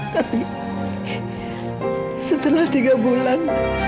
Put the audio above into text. tapi setelah tiga bulan